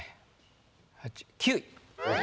９位。